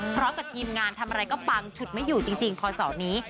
พร้อมกับทีมงานทำอะไรก็ปังฉุดไม่อยู่จริงพศนี้